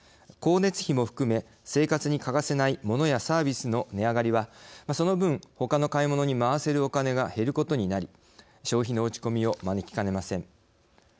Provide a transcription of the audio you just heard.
光熱費も含め、生活に欠かせないモノやサービスの値上がりはその分、ほかの買い物に回せるお金が減ることになり消費の落ち込みを招きかねません。